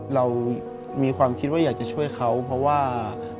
เรามีความคิดว่าอยากจะช่วยเขาเพราะว่า